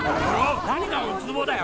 何がウツボだよ。